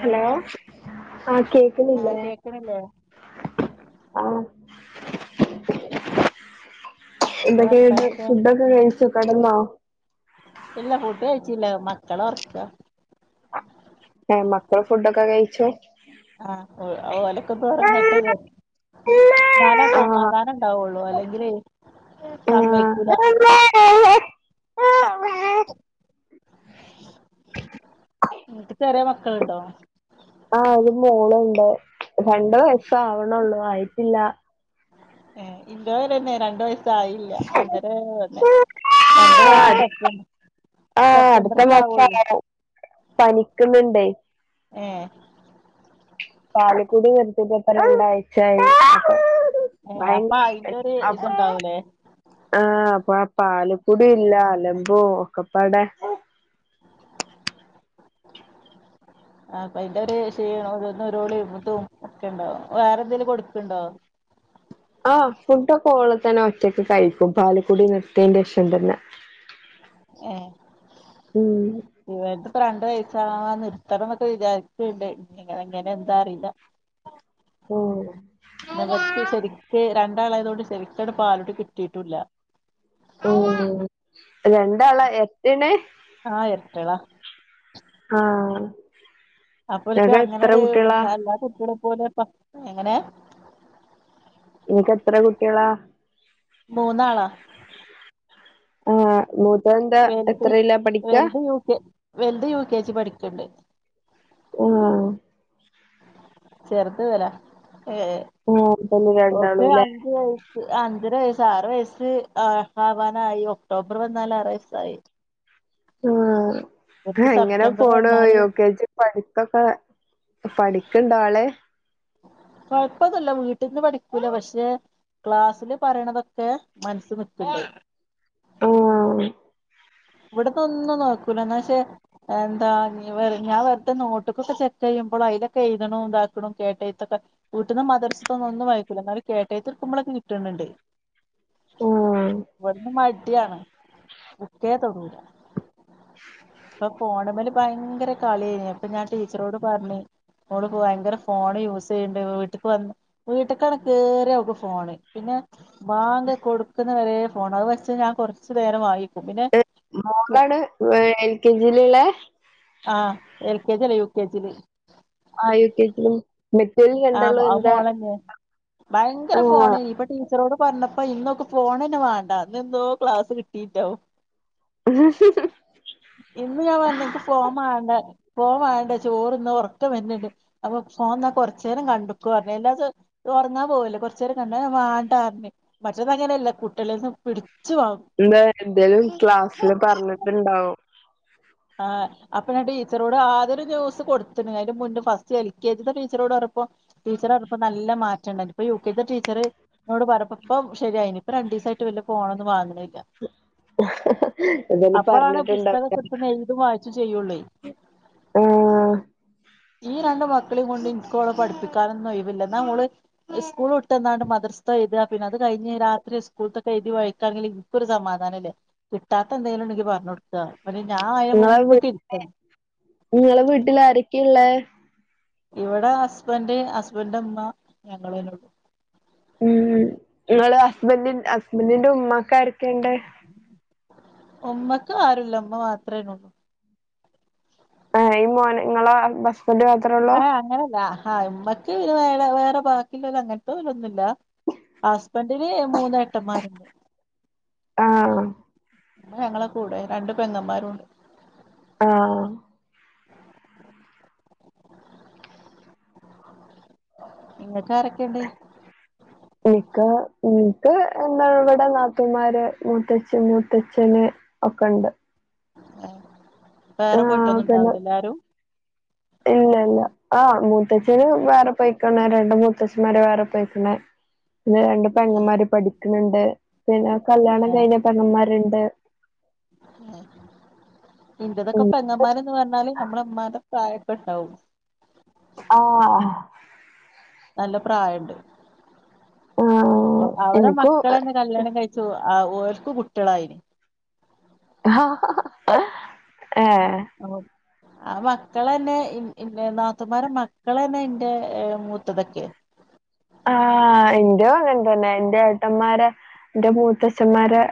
hello ആഹ് ആ കേക്കണില്ലേ കേക്കണില്ലേ ആഹ് എന്താ എതൊക്കെ ഇണ്ട് വർത്താനൊക്കെ ഫുഡൊക്കെ കഴിച്ചു കടന്നോ ഇല്ല ഫുഡ് കഴിച്ചില്ല മക്കളോറക്ക മക്കൾ ഫുഡൊക്കെ കഴിച്ചോ ആഹ് ഓലക്കൊന്ന് ഉറങ്ങട്ടെ ജാര്ച് ന്നാല ആ സമാധാനം ഇണ്ടാവൊള്ളൂ അല്ലെങ്കിലേ സമ്മയിക്കൂല [unintelligible] ഇങ്ങക്ക് ചെറിയ മക്കളുണ്ടോ ആഹ് ഒരു മോളുണ്ട് രണ്ട് വയസ് ആവണൊള്ളു ആയിട്ടില്ല ഏ എന്റേപോലെ തന്നെ രണ്ടു വയസ്സായില്ല ഒന്നര തന്നെ രണ്ട് ആ വയസ്സ അട് സപ്പ... ആ അടുത്ത മാസക്കാരം പനിക്കുന്നുണ്ടേ ഏ പാലുക്കൂടി നിർത്തിട്ട്പ്പ രണ്ടാഴ്ച്ചായി ഏ അപ്പാ അയിൻ്റൊര് അപ്പൊ ഇതുണ്ടാവൂലേ ആഹ് അപ്പൊ പാലക്കടി ഇല്ല അലമ്പൂ ഒക്കെപ്പാടെ അപ്പൊ അതിന്റെ ഒരു ക്ഷീനോം ഒരുനെലോളിം ഇതു ഒക്കെ ഇണ്ടാകും അപ്പോ വേറെ എന്തേങ്കിലും കൊടുക്ക്ണ്ടോ ആഹ് ഫുഡ്ക്കെ ഓള് തന്നെ ഒറ്റക്ക് കഴിക്കും പാല്ക്കുടി നിർത്തേന്റെശം തന്നെ ഏ ഉം ഇവര്ത്പ്പൊ രണ്ട് വയസാവാൻ നിർത്തണംന്നൊക്കെ വിചാരിച്ച്ണ്ട് ഇങ്ങനെ എന്താ അറില്ല ഉം പിന്നെ ഇവക്ക് ശെരിക്ക് രണ്ടാളായതോണ്ട് ശെരിക്കണ്ട് പാലുടി കിട്ടിട്ടുല്ല ഉം രണ്ടാള എരട്ടേണ് ആ എര്ട്ടാള ആ അപ്പൊൽക്ക് അങ്ങനണ്ട് എല്ലാ കുട്ട്യാളെ പോലെപ്പ എങ്ങനെ ങ്ങക്ക് എത്ര കുട്ട്യാളാ മൂന്നാളാ ആ മൂത്തതെന്താ വലുത് എത്രേല പഠിക്ക വലുത് യു കെ വെൽത് യു കെ ജി പഠിക്ക്ണ്ട് ആ ചെർത് വല ഏ [unintelligible] രണ്ടാളുലേ ഞ്ച് വയസ് അഞ്ചര വയസ്സ് ആറ് വയസ്സ് ആവാനായി ഒക്ടോബർ വന്നാലാറ് വയസ്സായി ആ ഇവർക്ക് എങ്ങനെ സെപ്റ്റംബർ പോണ് വന്നാല് യൂക്കേജി പഠിപ്പൊക്കെ പഠിക്ക്ണ്ടാള് കൊഴപ്പൊന്നുല്ല വീട്ട്ന്ന് പഠിക്കൂല പക്ഷെ ക്ലാസ്സില് പറയണതൊക്കെ മൻസ്സ് നിക്ക്ണ്ട് ആ ഇവ്ട്ന്നൊന്നും നോക്കൂല എന്ന പക്ഷെ എന്താ ഞാൻ വെർതെ നോട്ട്ക്കൊക്കെ ചെക്കെയ്യുമ്പോ അയ്ലൊക്കെ എയ്ത്ണും ഇതാക്കണും കേട്ടെയ്ത്തൊക്കെ വീട്ട്ന്ന് മദർസ്ത്തന്നൊന്നും വായിക്കൂല്ല ന്നാലും കേട്ടെയ്ത്ത്ട്ക്കുമ്പളൊക്കെ കിട്ട്ണ് ണ്ട് ആഹ് ഇവ്ട്ന്ന് മട്യാണ് ക്കേ തൊടൂല പ്പൊ ഫോണ്മ്മല് ഭയങ്കര കളിയേന്ന് അപ്പൊ ഞാൻ ടീച്ചറോട് പർഞ് ഓള്പ്പൊ ഭയങ്കര ഫോൺ യൂസ് ചെയ്യ്ണ്ട് വീട്ട്ക്ക് വന്ന് വീട്ട്ക്കണ്ട് കേറിയാ ഓക്ക് ഫോണ് പിന്നെ ബാങ്ക് കൊട്ക്ക്ന്ന വെരെ ഫോണ് അത് വെച്ച ഞാൻ കൊർച്ച് നേരം വാങ്യെക്കും പിന്നെ മോളാണ് ഏ എൽ കെ ജില്ള്ളേ ആ എൽ കെ ജി അല്ല യു കെ ജില് ആ യു കെ ജില് [unintelligible] ആ അത് മോളെന്നെ ആ ഭയങ്കര ഫോണെനി ഇപ്പടീ ച്ചറോട് പർഞ്ഞപ്പോ ഇന്നോക്ക് ഫോണെന്നെ വാണ്ട ന്ന്ന്തോ ക്ലാസ് കിട്ടിട്ടോ ഉ... ഇന്ന് ഞാൻ പർഞ് ൻക്ക് ഫോമാണ്ട ഫോമാണ്ട ചോറ്ന്ന ഒർക്കം വര്ന്ണ്ട് അപ്പൊ ഫോന്ന കൊർ ച്ചേരം കണ്ട്ക്കോ എല്ലാ ചോ ജ്ജ് ഒർങ്ങാ പോവല്ലെ കൊർച്ചേരം കണ്ടോ എ വാണ്ടാർഞ് മറ്റേതങ്ങനല്ല കുട്ട്യാളേന്ന് പിടിച്ച് വാങ്ങും എന്താ എന്തേലും ക്ലാസ്സില് പർഞ്ട്ട്ണ്ടാവും ആ അപ്പൊ ഞാ ടീച്ചറോട് ആദ്യോരു ന്യൂസ് കൊട്ത്ത്ണ് അയ്ന്റെ മുന്നേ ഫസ്റ്റ് എൽ കെജിത്തെ ടീച്ചറോട് പർഞ്ഞപ്പോ ടീച്ചറെണ്ടപ്പം നല്ല മാറ്റണ്ടായ്ന്നു ഇപ്പൊ യു കെത്തെ ടീച്ചറ് ന്നോട് പർഞ്ഞപ്പം പ്പം ശെരിയായിന് ഇപ്പ രണ്ടീസായിട്ട് വെല്ല ഫോണൊന്നും വാങ്‌ണില്ല എന്തേലും പർഞ്ട്ട്ണ്ടാവും [unintelligible] എയ്തും വായിച്ചു ചെയ്യൊള്ളേ ആ ഈ രണ്ട് മക്കളീം കൊണ്ട് ഇൻക്കോളെ പഠിപ്പിക്കാനൊന്നും ഒയ്വില്ല ന്നാ ഓള് സ്കൂൾ വിട്ടന്നാണ്ട് മദർസ്ഥ എഴുാ പിന്നെ അത് കഴിഞ് രാത്രി സ്കൂളത്തൊക്ക എഴുതി വഴക്കാണെങ്കിൽ ഒരു സമാധാനല്ലേ കിട്ടാത്ത എന്തെങ്കിലും ഉണ്ടെങ്കിൽ പറഞ്ഞു കൊടുക്ക പിന്നെ ഞാൻ അതിന് നിങ്ങളെ വീ മുന്നേ തിരുത്തണം നിങ്ങളെ വീട്ടിൽ ആരൊക്കെള്ളേ ഇവിടെ ഹസ്ബൻഡ് ഹസ്ബൻറ്ന്റഉമ്മ മ്മ ഞങ്ങളന്നെള്ളൂ ഉ നിങ്ങള് ഹസ്ബൻഡ ഹസ്ബൻറിന്റെ ഉമ്മാക്കാരൊക്കെയണ്ട് ഉമ്മക്ക് ആരുല്ല ഉമ്മ മാത്രേള്ളൂ ആ ഈ മോനെളോ ഇങ്ങളെ ബസ്ബണ്ട് മാത്രേ ഉള്ളൂ അ അങ്ങനല്ല ആഹ ഇമ്മക്ക് വേ വേറെ ബാക്കില്ല അങ്ങനത്തുന്നുല്ല ഹസ്ബൻഡിന് മൂന്നേട്ടന്മാരുണ്ട് ആ ഞങ്ങളെ കൂടെ രണ്ട് പെങ്ങന്മാരുംണ്ട് ഹ നിങ്ങക്കാരൊക്കെയണ്ട് ഉ [inaudible] എനിക്ക് നിക്ക് എന്താ ഇവിടെ നാട്ടമാര് മൂത്തച്ചി മൂത്തച്ഛന് ഒക്കെ ഉണ്ട് ആ വേറെ പോയിട്ടന്നും പിന്നെ ഉണ്ടാവില്ലാലെ ആരും ഇല്ല ഇല്ല ആ മൂത്തച്ഛന് വേറെ പൊയിക്കണ രണ്ട മൂത്തച്ഛന്മാരെ വേറെ പൊയിക്കണ പിന്നെ രണ്ട് പെങ്ങന്മാര് പഠിക്കണണ്ട് പിന്നെ കല്യാണം കഴിഞ്ഞ ആഹ് പെങ്ങന്മാരുണ്ട് ഉം ഇന്റതൊക്കെ പെങ്ങമാരന്ന് പറഞ്ഞാല് നമ്മളമാന്റെ പ്രായകണ്ടാവും ആഹ നല്ല പ്രായുണ്ട് ആഹ് അവരെ എനിക്കും മക്കളെ തന്നെ കല്യാണം കഴ ഓൽക്ക് കുട്ടികളായി ഹഹഹഏ ആഓ ആ മക്കളന്നെ നാത്തൂ മാര മക്ക ളെന്നെ എന്റെ മൂത്തതൊക്കെ ആഹ എന്റെ അങ്ങനതന്നെ എന്റെ ഏട്ടന്മാര് എന്റെ മൂത്തച്ഛന്മാര്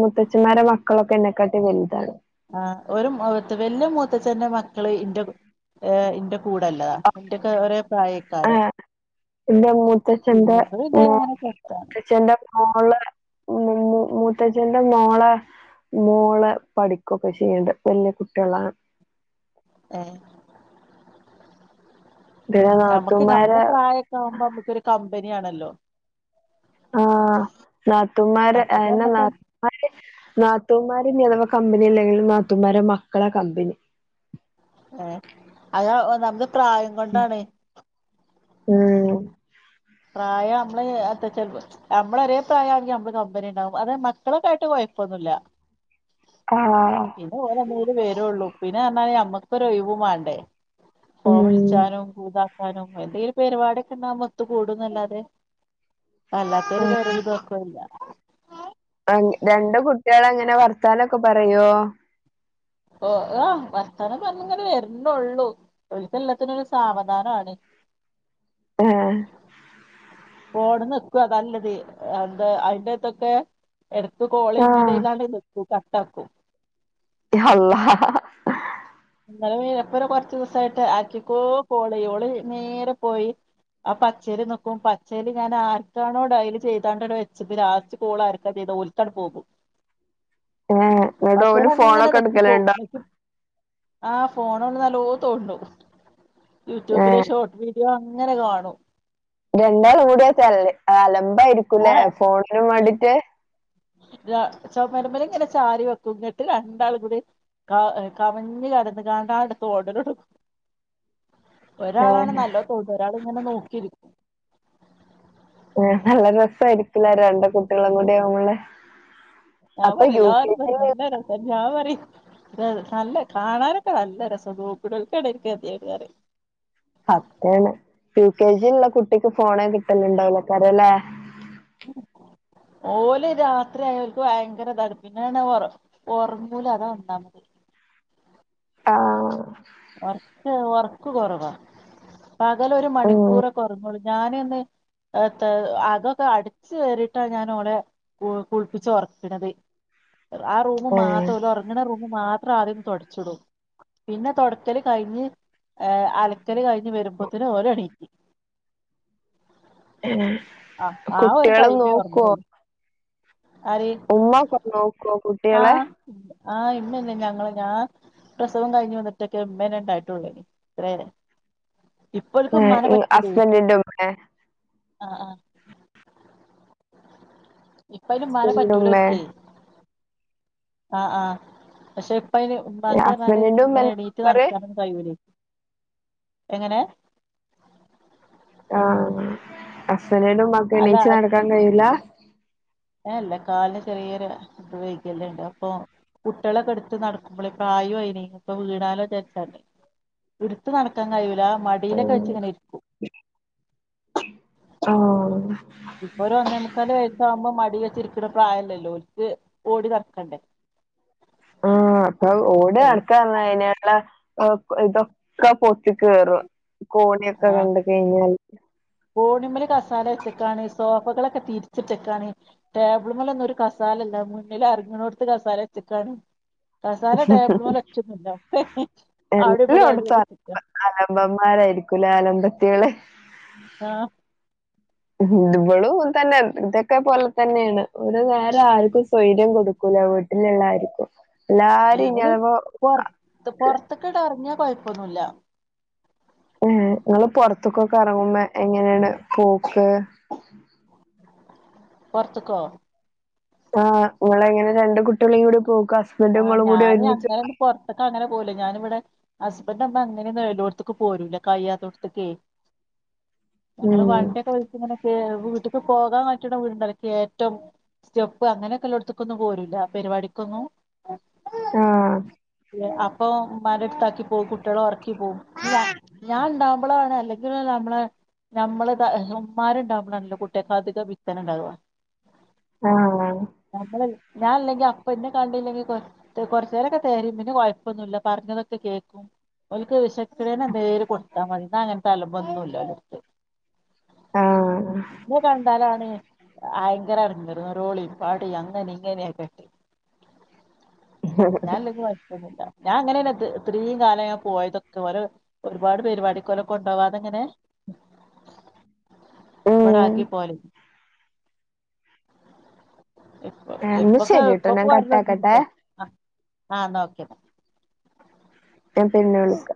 മുത്തച്ഛമാരെ മക്കളൊക്കെ എന്നക്കാട്ടി വലുതാണ് ആ ഒരു വലിയ മൂത്ത ച്ചന്റെ മക്കള് ഇന്റെ ഇന്റെ കൂടല്ലതാ എന്റെക്കെ ഒരേ പ്രായയ്ക്കാരോ ആഹ് എന്റെ മൂത്തച്ഛന്റെ പിന്നെത മോ ഇത ചത്ത [inaudible] മൂത്തച്ഛന്റെ മോളെ മൂത്ത്തച്ഛന്റെ മോളെ മോള പഠിക്കുകൊക്കെ ചെയ്യണ്ട് വലിയ കുട്ടികളാണ് ആഹ പിന്നെ നമുക്ക് നമ്മള നാത്തൂമാരെ പ്രായൊക്കെ ആവുമ്പോ നമ്മുക്കരു കമ്പനി ആണല്ലോ ആഹ നാത്തൂമാർ മറ്റത് അതെന്ന ന നമ്മക്ക് നാത്തൂന്മാര ധവാ കമ്പനി അല്ലെങ്കിലും നാത്തൂന്മാര മക്കളാ കമ്പനി ഏ അത നമ്മള് പ്രായം കൊണ്ടാണ് ഉം പ്രായം നമ്മള് അത്ര ചെർപ്പ നമ്മള ഒരേ പ്രായം ആണെങ്കി നമ്മള് കമ്പനി ഉണ്ടാവും അത് മക്കളക്ക ആയിട്ട് കുഴപ്പമൊന്നുമില്ല ആഹ പിന്നെ ഓരന്തര് വരുള്ളൂ പിന്നെ പറാല് നമ്മുക്കൊ ഒഴിവ് വേണ്ടേ ഫ ഉം വിളിച്ചാനും കൂതാ ക എന്തെങ്കിലും പരുപാടൊക്കെണ്ട മൊത്തത്ത് കൂടുംല്ലാതെ അല്ലാത്തരു പ ഇത ശല്ല രണ്ടു കുട്ടികള എങ്ങനെ വർത്താനൊക്കെ പറയോ ഓ ആ് വർത്തനം പറഞ്ഞങ്ങനെ വരണ്ടള്ളൂ ഒളിച്ചല്ലാത്തിനരു സാവധാനമാണ് ആഹ ഫോൺ നെക്കും അതാ ഇല്ലത് എന്താ അതിന്റെറത്തൊക്കെ എടത്ത് ആ കോൾചെയ്യുന്നതിന്റെ ഇടയിൽആണ്ടു നെക്കും കട്ട ആക്കും അല്ലാഹ് എന്നന്നാലെപ്പൊ കൊറച്ച ദിവസ ആട്ട് ആക്കിക്കോ കോൾ ചെയ്യും ഓള് നേരെ പോയി ആ പച്ചേരി നക്കും പച്ചേരി ഞാൻ ആർക്കാണോ ഡയൽ ചെയ്തണ്ടോ വെച്ച ലാസ്റ്റ് കോള ആർക്കാ ചെയ്ത ഓല്ക്ക് എടുത്താണ്ട് പോകും ഏ ന്നട്ട് പച്ചേല് ഓല് അങ്ങനെ ഫോണൊക്കെ എടുക്കലണ്ടോ ആഹ ഫോണ് നല്ലോ തോണ്ടു ഏ യൂട്യൂബില് ഷോർട്ട് വീഡിയോ അങ്ങനെ കാണൂ രണ്ടാളും കൂടിയ തല്ലേ അലമ്പ ആരിക്കൂല്ലേ ആ ഫോണിനും വേണ്ടിട്ട് ചുമരമ്മല് ഇങ്ങനെ ചാരി വെക്കും ഇങ്ങട്ട് രണ്ടാളും കൂടി കമഞ് കടന്ന് കാണ്ട് തോണ്ടൽ തൊടങ്ങും [inaudible] ഒരാളാണ് നല്ലോ തൊണ്ട ഒരാള് ഇങ്ങനെ നോക്കിയിരിക്കും ഏ നല്ല രസയിരിക്കില്ലാ രണ്ട് കുട്ടികളും കൂടി ആവുമ്പോൾ ആ അത് പറയും എല്ലാരും പറയും നല്ല രസാ ഞാൻ പറയും നല്ല കാണാനൊക്കെ നല്ല രസ നോക്കുനോൾക്ക് അയിന്റെ കെതിയേട് പറയും അതാണ് യു കെ ജി ഉള്ള കുട്ടിക്ക് ഫോണെ കിട്ടലുണ്ടോലക്കാരല്ലേ ഓല് രാത്രി ആയ ഓല്ക്ക് ഭയങ്കര താണ് പിന്നെ പറഞ്ഞ ഉറങ്ങൂല അതാ ഒന്നാമത് ആ ഉറക്ക് ഉറക്ക് കുറവാ പകലൊ ഒരു മണിക്കൂറ ഒക്കെ ഉറങ്ങുള്ളൂ ഞാനൊന്നു ഏത്താ അകൊക്കെ അടച്ച് വാരിട്ട ഞാൻ ഓളെ കുളിപ്പിച്ചു ഉറക്കണത് ആ റൂമ് മാത്രല്ല ഉറങ്ങണ റൂമ് മാത്രം ആദ്യംന്ന് തുടച്ചിടും പിന്നെ തുടക്കല് കഴിഞ്ഞ് ഏ അലക്കല് കഴിഞ്ഞ് വരുമ്പോത്തേനന് ഓല് എണീറ്റ് ആ ആ ഒരു കുട്ടികള് ടൈമേ നോക്കുവോ ഉറങ്ങോളു അര് ഉമ്മ ഒക്കെ നോക്കുവോ ആഹ കുട്ടികളെ ആഹ ഇമ്മന്നെ ഞങ്ങള് ഞാ പ്രസവം കഴിഞ്ഞു വന്നിട്ടൊക്കെ ഇമ്മന്നെ ഉണ്ടായിട്ടുള്ളൂ ഏനി ഇത്ര ഇപ്പൊ ഓല്ക്ക് ഇമ്മാനെ പറ്റൂലെ ഹസ്ബൻഡിന്റെ ഉമ്മ ആ ആ ഇപ്പ ഐന് ഇമ്മാനെ പറ്റൂല ഓൽക്കെ ആഹ ആഹ പക്ഷെ ഇപ്പയ്ൻ ഉമ്മാക്ക് പറഞ്ഞാല് ഹസ്ബൻഡിന്റെ ഉമ്മ ഹസ്ബൻഡിന്റെ ഉമ്മ ഇങ്ങനെ എണീറ്റ് നോക്കാറ് നടക്കാനന്ന് കഴിയുലെ എങ്ങനെ ആഹ അസ്സനീന് ഉമ്മാക്ക് അല്ല എണീച്ച നടക്കാൻ കഴിയൂല ഏ ഇല്ല കാലിന് ചെറിയൊരു വൈകല്യം ഇണ്ട് അപ്പൊ കുട്ടികളൊക്കെ എടുത്ത് നടക്കുമ്പോളെ പ്രായം അയിന് ഇപ്പോ വീണാലോ ന്നവിചാരിച്ചാണ്ട് എടുത്ത് നടക്കാൻ കഴിയൂല മടിയിലൊക്കെ വെച്ച് ഇങ്ങനെ ഇരിക്കും ആഹ് ഇപ്പൊ ഒരു ഒന്നേമുക്കാല് വയസ്സ് ആവുമ്പോ മടി വെച്ചിരിക്കുന്ന പ്രായം അല്ലല്ലോ ഒലിക്ക് ഓടി നടക്കണ്ടേ ആ അപ്പൊ ഓടി അയ് നടക്കാന്നപറഞ്ഞ അയിനുള്ള ഇതൊക്കെ പൊത്തി കയറും കോണിയൊക്കെ ആഹ് കണ്ട് കഴിഞ്ഞാൽ കോണിമ്മല് കസാല വെച്ചെക്കാണ് സോഫകളൊക്കെ തിരിച്ചിട്ടെക്കാണ് ടേബിൾ മേൽ ഒന്നും ഒരു കസാലല്ല മുന്നിൽ അറങ്ങുന്നോട്ത്ത് കസാല വെച്ചക്കാണ് കസാല ടാബിൾ മൽ ഒറ്റന്നുല്ല ഒക്കെ അവിടെപടി അവിടു വെച്ചക്ക അലമ്പന്മാരായിരിക്കൂല്ലേ അലമ്പത്തികള് ആഹ് ഇവളും ങ്ങൻതന്നെയാ ഇതൊക്കെ പോലെ തന്നെയാണ് ഒരു നേരം ആർക്കും സ്വൈര്യം കൊടു ക്കൂല വീട്ടില്ള്ളായിരിക്കും എല്ലാരും ഇ അതിപ്പോ ഇത് പൊറത്തൊക്ക്ടെറങ്ങിയാ കൊയപ്പൊന്നുല്ല ഏ നിങ്ങള് പൊറത്ത്ക്കൊക്കെറങ്ങുമ്പോ എങ്ങനെയാണ് പോക്കാ പൊർത്ത്ക്കോ ആ നിങ്ങളെങ്ങനെ രണ്ട് കുട്ടിയളെയും കൂടി പോക്ക് ആഹ് ഹസ്ബന്റിങ്ങളും കൂടി ഞാന് ഒരുമിച്ച് അങ്ങനൊന്നും പൊറത്ത്ക്ക് അങ്ങനെ പോല ഞാനിവിടെ ഹസ്ബന്റമ്മ അങ്ങനെയൊന്നും എല്ലോടത്തേക്ക് പോരൂല്ല കഴിയാത്തോടത്ത്ക്ക [inaudible] ഞങ്ങള് ഉം വണ്ടിയൊക്കെ വിളിച്ചിങ്ങനൊക്കെ വീട്ട്ക്ക് പോകാൻ പറ്റണ വീടുണ്ടാ ലേ കേറ്റോ സ്റ്റെപ്പ് അങ്ങനെയൊക്കെല്ലോടത്ത്ക്കൊന്നും പോരൂല്ല പെരിപാടിക്കൊന്നും ആ അപ്പൊ ഉമ്മാന്റടുത്താക്കി പോവും കുട്ടിയളൊറക്കി പോവും ഞാൻ ഇണ്ടാവുമ്പളാണ് അല്ലെങ്കില് നമ്മളെ നമ്മള് ത ഉമ്മാര് ഇണ്ടാവുമ്പളാണല്ലോ കുട്ടിയക്ക് അധിക ബിത്തന ഇണ്ടാവ ആ നമ്മളില്ലെ ഞായില്ലെങ്കി അപ്പ എന്നെ കാണ് ണില്ലെങ്കിൽ കൊർച്ച് കൊർച്ചേരൊക്കെ തെരയും പിന്നെ കുഴപ്പൊന്നുല്ല പറഞ്ഞതൊക്കെ കേക്കും ഓൽക്ക് വിശ ക്ക്ണേന എന്തേലും കൊടുത്താ മതി ന്നാ അങ്ങത്തലമ്പോന്നുല്ലോലട്ത്ത് ആഹ് [inaudible] കണ്ടാലാണ് അയങ്കരടങ്ങേറ് നിറോളിയും പടയും അങ്ങനെ ഇങ്ങനെയൊക്കെട്ടെ ഹ് ഹ് ല്ലെങ്കി കൊഴപ്പൊന്നൂല്യ ഞാൻ അങ്ങനന്നെ ഇത്ര ഇത്രയും കാലം ഞാ പോയതൊക്കെ ഓര ഒരുപാട് പെരിപാടിക്കൊലൊ ക്കൊണ്ടാവതങ്ങനെ [inaudible] ഉം ഇവിടാക്കി പോവല് എന്നാ ഇപ്പൊ ശരിട്ടോ ഞാൻ ഇപ്പൊ കട്ടാക്കട്ടെ അ എന്ന ഓക്കെ പിന്നെ വിളിക്കാ